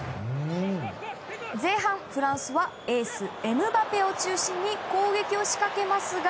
前半、フランスはエース、エムバペを中心に攻撃を仕掛けますが。